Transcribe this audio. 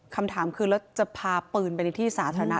คำถามคือแล้วจะพาปืนไปในที่สาธารณะ